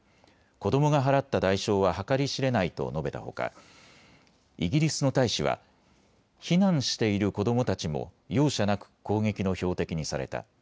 子どもが払った代償は計り知れないと述べたほかイギリスの大使は避難している子どもたちも容赦なく攻撃の標的にされた。